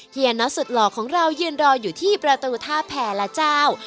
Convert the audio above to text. เฮียน็อตสุดหล่อของเรายืนรออยู่ที่ประตูท่าแผ่ละเจ้า